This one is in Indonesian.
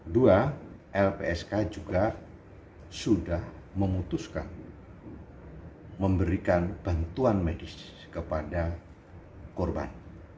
dua lpsk juga sudah memutuskan memberikan bantuan medis kepada korban